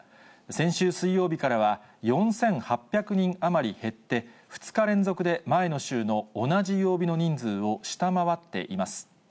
先週水曜日からは４８００人余り減って、２日連続で前の週の同じ曜日の人数を下回っています。